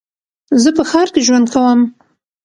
زه په ښار کې ژوند کوم.